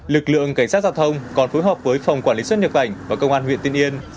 lực lượng cảnh sát giao thông còn phối hợp với phòng quản lý xuất nhập cảnh và công an huyện tiên yên